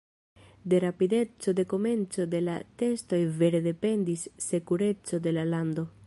De rapideco de komenco de la testoj vere dependis sekureco de la lando.